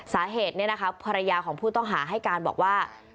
สาเหตุนี้นะคะภรรยาของผู้ต้องหาให้การบอกว่า